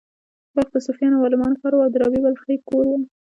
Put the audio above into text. بلخ د صوفیانو او عالمانو ښار و او د رابعې بلخۍ کور و